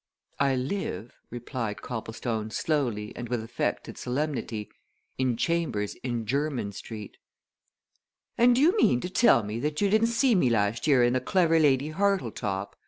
"I live," replied Copplestone slowly and with affected solemnity, "in chambers in Jermyn Street." "And do you mean to tell me that you didn't see me last year in _The Clever Lady Hartletop?